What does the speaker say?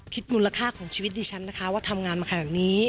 มูลค่าของชีวิตดิฉันนะคะว่าทำงานมาขนาดนี้